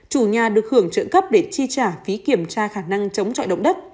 chủ nhà được hưởng trợ cấp để chi trả phí kiểm tra khả năng chống trọi động đất